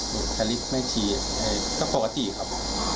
บุคลิกแม่ชีก็ปกติครับ